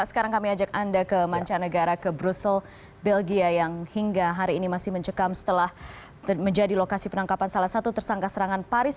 sekarang kami ajak anda ke mancanegara ke brussel belgia yang hingga hari ini masih mencekam setelah menjadi lokasi penangkapan salah satu tersangka serangan paris